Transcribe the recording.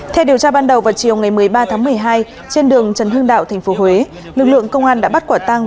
theo điều tra ban đầu vào chiều ngày một mươi ba tháng một mươi hai trên đường trần hưng đạo tp huế lực lượng công an đã bắt quả tăng